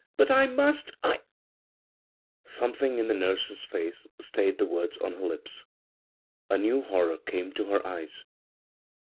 " But I must 1 " Something in the nurse's face stayed the words on her lips. A new horror came to her eyes.